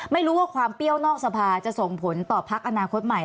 ไม่รู้ว่าความเปรี้ยวนอกสภาจะส่งผลต่อพักอนาคตใหม่